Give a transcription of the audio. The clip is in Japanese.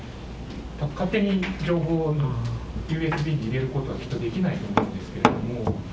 勝手に情報をＵＳＢに入れることはきっとできないと思うんですけれども。